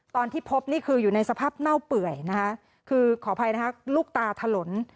ตอนที่พบนี่คืออยู่ในสภาพเน่าเปื่อยนะคะคือขออภัยนะคะลูกตาถลน